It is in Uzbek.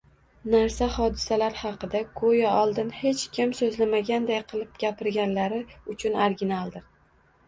narsa-hodisalar haqida goʻyo oldin hech kim soʻzlamaganday qilib gapirganlari uchun originaldir